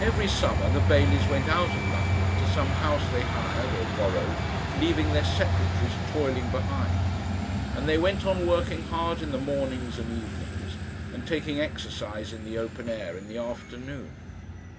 Every summer the Baileys went out of London to some house they hired or borrowed, leaving their secretaries toiling behind, and they went on working hard in the mornings and evenings and taking exercise in the open air in the afternoon.